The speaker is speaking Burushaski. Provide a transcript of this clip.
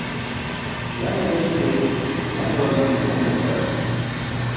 Pʰirane gaśke girane walgi oomaybila.